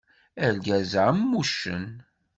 Argaz-a am wuccen.